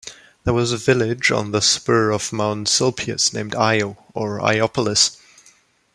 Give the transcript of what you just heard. There was a village on the spur of Mount Silpius named Io, or Iopolis.